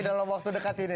dalam waktu dekat ini